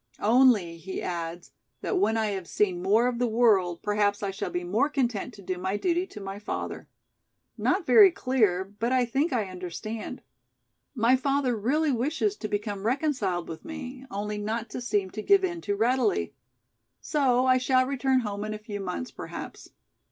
Only he adds that when I have seen more of the world perhaps I shall be more content to do my duty to my father. Not very clear, but I think I understand. My father really wishes to become reconciled with me, only not to seem to give in too readily. So I shall return home in a few months perhaps.